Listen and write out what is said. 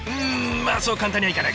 まあそう簡単にはいかないか。